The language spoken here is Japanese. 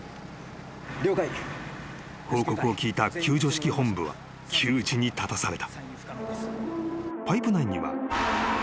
［報告を聞いた救助指揮本部は窮地に立たされた］